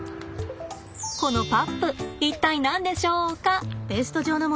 このパップ一体何でしょうか？